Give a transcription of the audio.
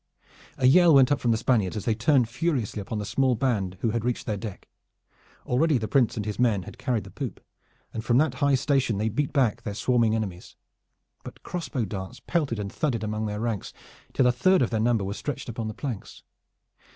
A yell went up from the Spaniards as they turned furiously upon the small band who had reached their deck. Already the Prince and his men had carried the poop, and from that high station they beat back their swarming enemies. But crossbow darts pelted and thudded among their ranks till a third of their number were stretched upon the planks.